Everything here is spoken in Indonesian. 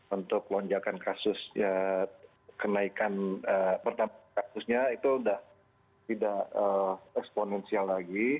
untuk lonjakan kasus kenaikan pertama kasusnya itu sudah tidak eksponensial lagi